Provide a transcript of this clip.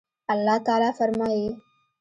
الله تعالى فرمايي